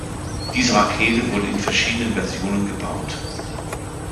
Diese Rakete wurde in verschiedenen Versionen gebaut.